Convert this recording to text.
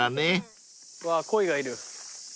うわコイがいる。